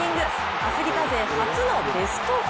アフリカ勢初のベスト４。